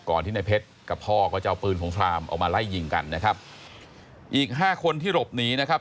ที่ในเพชรกับพ่อก็จะเอาปืนสงครามออกมาไล่ยิงกันนะครับอีกห้าคนที่หลบหนีนะครับ